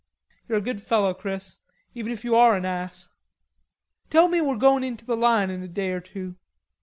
"You're a good fellow, Chris, even if you are an ass." "Tell me we're going into the line in a day or two."